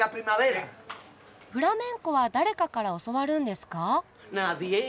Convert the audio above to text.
フラメンコは誰かから教わるんですか？